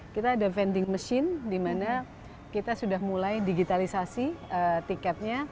kita ada vending machine di mana kita sudah mulai digitalisasi tiketnya